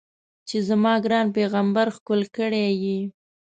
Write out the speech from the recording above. چې زما ګران پیغمبر ښکل کړی یې.